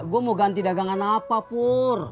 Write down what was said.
gue mau ganti dagangan apa pur